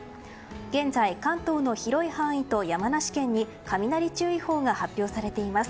現在、関東の広い範囲と山梨県に雷注意報が発表されています。